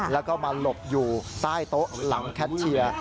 แล้วก็มาหลบอยู่ใต้โต๊ะหลังแคทเชียร์